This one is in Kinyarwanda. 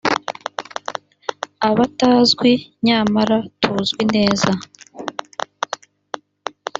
abatazwi nyamara tuzwi neza